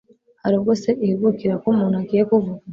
hari ubwo se ihugukira ko umuntu agiye kuvuga